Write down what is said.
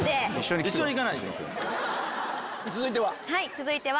続いては？